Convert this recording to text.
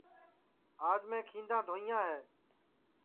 آج میں کھیندا دھوئیاں ہے